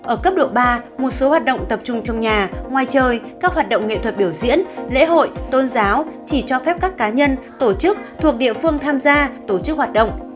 ở cấp độ ba một số hoạt động tập trung trong nhà ngoài trời các hoạt động nghệ thuật biểu diễn lễ hội tôn giáo chỉ cho phép các cá nhân tổ chức thuộc địa phương tham gia tổ chức hoạt động